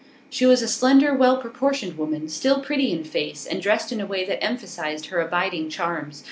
She was a slender, well proportioned woman, still pretty in face, and dressed in a way that emphasised her abiding charms.